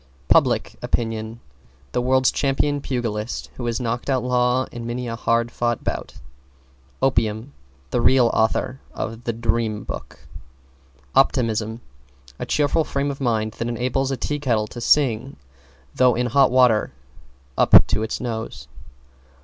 =PUBLIC OPINION= The world's champion pugilist, who has knocked out Law in many a hard fought bout. =OPIUM= The real author of "The Dream Book." =OPTIMISM= A cheerful frame of mind that enables a tea kettle to sing though in hot water up to its nose.